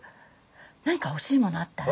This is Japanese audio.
何か欲しいものあったら。